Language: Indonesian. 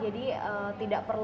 pilihan few miliar per hari